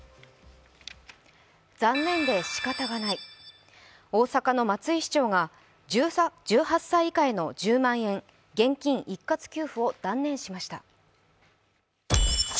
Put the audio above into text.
残念でしかたがない大阪の松井市長が１８歳以下への１０万円現金一括給付を断念しました。